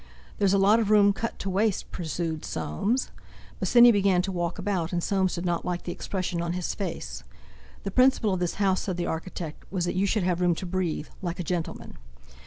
"There's a lot of room cut to waste," pursued Soames. Bosinney began to walk about, and Soames did not like the expression on his face. "The principle of this house," said the architect, "was that you should have room to breathe—like a gentleman!"